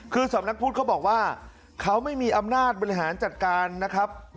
คือสำนักพุทธเขาบอกว่าเขาไม่มีอำนาจบริหารจัดการนะครับ